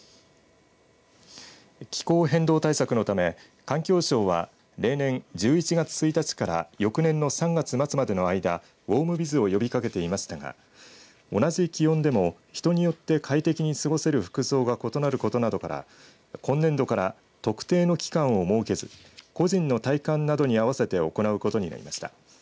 気候変動対策のため環境省は、例年１１月１日から翌年の３月末までの間ウォームビズを呼びかけていましたが同じ気温でも人によって快適に過ごせる服装が異なることなどから、今年度から特定の期間を設けず個人の体感などに合わせて行うことになりました。